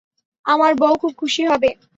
আমার বউ খুব খুশি হবে।